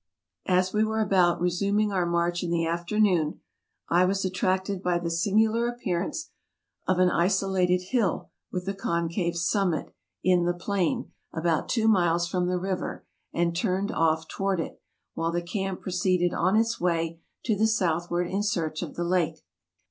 As we were about resuming our march in the afternoon I was attracted by the singular appearance of an isolated hill with a concave summit, in the plain, about two miles from the river, and turned off toward it, while the camp proceeded on its way to the southward in search of the lake.